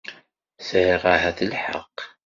sɛiɣ ahat lḥeqq.